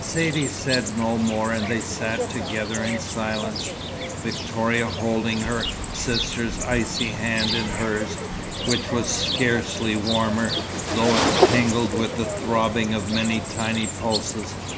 Saidee said no more, and they sat together in silence, Victoria holding her sister's icy hand in hers, which was scarcely warmer, though it tingled with the throbbing of many tiny pulses.